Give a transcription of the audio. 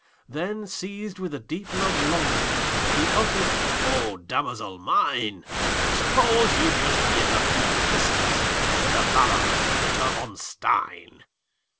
Then, seized with a deep love longing, He uttered, "O damosel mine, Suppose you just give a few kisses To the valorous Ritter von Stein!"